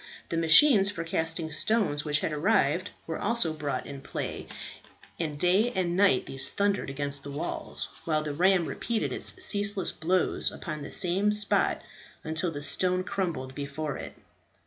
The machines for casting stones, which had arrived, were also brought in play, and day and night these thundered against the walls; while the ram repeated its ceaseless blows upon the same spot, until the stone crumbled before it.